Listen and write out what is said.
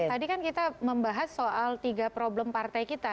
tadi kan kita membahas soal tiga problem partai kita